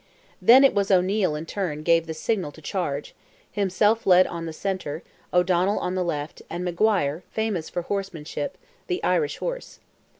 Then it was O'Neil in turn gave the signal to charge; himself led on the centre, O'Donnell the left, and Maguire, famous for horsemanship, the Irish horse.